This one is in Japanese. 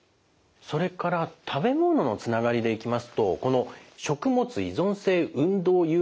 それから食べ物のつながりでいきますとこの食物依存性運動誘発アナフィラキシー。